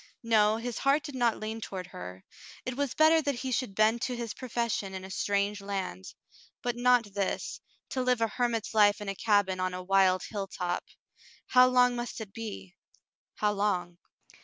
No, his heart did not lean toward her ; it was better that he should bend to his profession in a strange land. But not this, to live a hermit's life in a cabin on a wild hilltop. How long must it be — how long